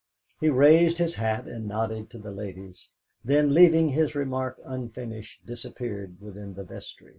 He raised his hat and nodded to the ladies; then, leaving his remark unfinished, disappeared within the vestry.